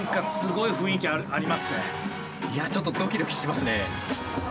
いやちょっとドキドキしますね。